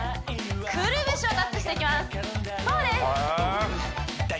くるぶしをタッチしていきますそうです